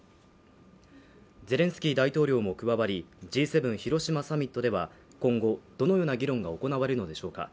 ゼレンスキー大統領も加わり、Ｇ７広島サミットでは今後、どのような議論が行われるのでしょうか。